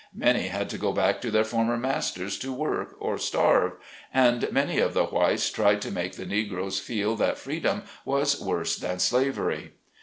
Many had to go back to their former masters to work or starve, and many of the whites tried to make the Negroes feel that freedom was worse than slavery.